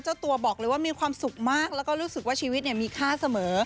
เจ้าตัวบอกเลยว่ามีความสุขมากแล้วก็รู้สึกว่าชีวิตมีค่าเสมอ